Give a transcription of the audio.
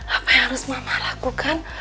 apa yang harus mama lakukan